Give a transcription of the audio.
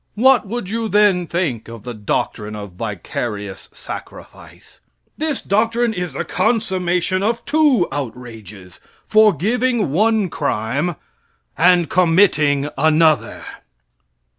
What would you then think of the doctrine of vicarious sacrifice?" This doctrine is the consummation of two outrages forgiving one crime and committing another.